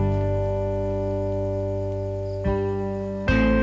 kita akan berambung